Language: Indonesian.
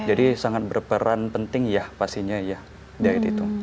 sangat berperan penting ya pastinya ya diet itu